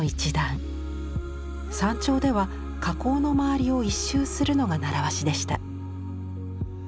山頂では火口の周りを一周するのが習わしでした。